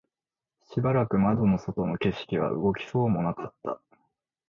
しばらく窓の外の景色は動きそうもなかった